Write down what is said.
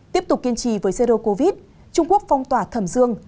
tiếp tục kiên trì với jero covid trung quốc phong tỏa thẩm dương